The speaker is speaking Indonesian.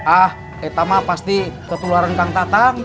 ah ee tamah pasti ketularan kang tatang